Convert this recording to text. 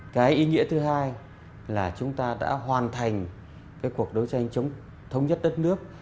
cái ý nghĩa thứ hai là chúng ta đã hoàn thành cái cuộc đấu tranh chống thống nhất đất nước